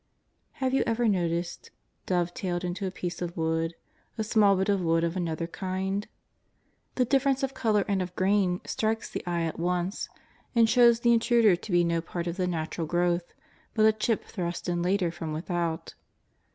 Have you ever noticed — dove tailed into a piece of wood — a small bit of wood of another kind ? The dif ference of colour and of grain strikes the eye at once, and shows the intruder to be no part of the natural growth, but a chip thrust in later from without.